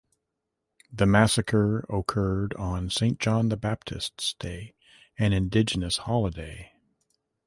The massacre occurred on Saint John the Baptist's Day, an indigenous holiday.